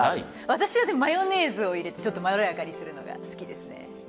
私はマヨネーズを入れてまろやかにするのが好きです。